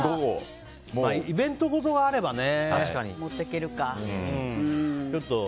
イベント事があればね。